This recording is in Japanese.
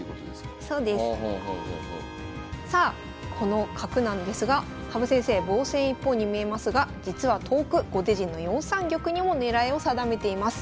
さあこの角なんですが羽生先生防戦一方に見えますが実は遠く後手陣の４三玉にも狙いを定めています。